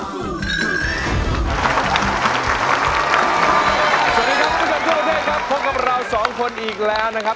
สวัสดีครับทุกคนค่ะพบกับเรา๒คนอีกแล้วนะครับ